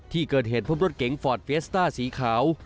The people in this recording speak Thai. ที่เกิดเหตุพบรถเก๋งฟอร์ดเฟียสต้าสีขาว